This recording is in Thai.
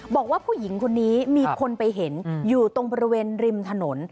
บอกว่าผู้หญิงคนนี้มีคนไปเห็นอยู่ตรงบริเวณริมถนน